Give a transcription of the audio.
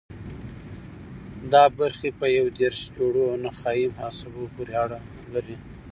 دا برخې په یو دېرش جوړو نخاعي عصبو پورې اړه لري.